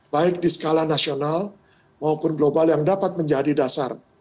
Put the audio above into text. baik di skala nasional maupun global yang dapat menjadi dasar